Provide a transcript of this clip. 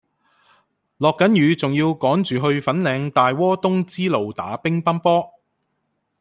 落緊雨仲要趕住去粉嶺大窩東支路打乒乓波